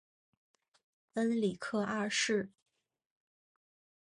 恩里克二世。